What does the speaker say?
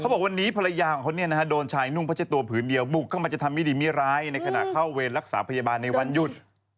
บอกวันนี้ภรรยาของเขาโดนชายนุ่งพัชตัวผืนเดียวบุกเข้ามาจะทำไม่ดีไม่ร้ายในขณะเข้าเวรรักษาพยาบาลในวันหยุด